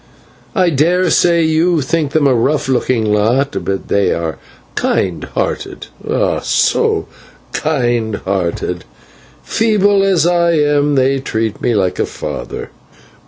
I daresay you think them a rough looking lot, but they are kind hearted, ah! so kind hearted; feeble as I am they treat me like a father.